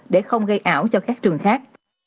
để không gây ảo cho khách trường khác